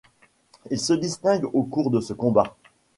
Il se distingue au cours de ce combat.